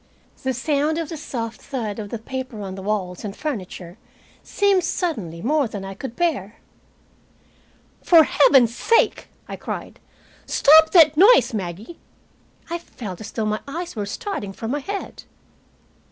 The sound of the soft thud of the paper on walls and furniture seemed suddenly more than I could bear. "For heaven's sake!" I cried. "Stop that noise, Maggie." I felt as though my eyes were starting from my head.